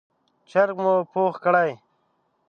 چرګ مو پوخ کړی،